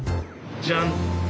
じゃん。